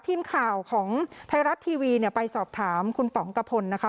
ทีมข่าวของไทยรัฐทีวีเนี่ยไปสอบถามคุณป๋องกะพลนะคะ